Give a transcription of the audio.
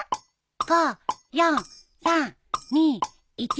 ５４３２１。